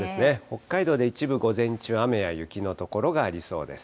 北海道で一部、午前中、雨や雪の所がありそうです。